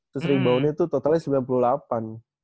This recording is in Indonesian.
terus reboundnya itu totalnya sembilan puluh delapan